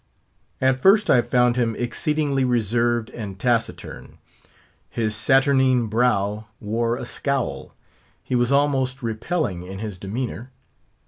At first I found him exceedingly reserved and taciturn; his saturnine brow wore a scowl; he was almost repelling in his demeanour.